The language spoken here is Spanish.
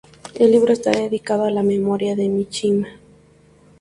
El libro está dedicado a la memoria de Mishima.